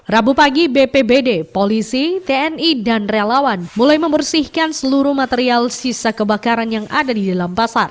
rabu pagi bpbd polisi tni dan relawan mulai membersihkan seluruh material sisa kembali